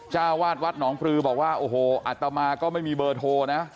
เจ้าวาดวัดหนองปลือบอกว่าโอ้โหอัตมาก็ไม่มีเบอร์โทรนะ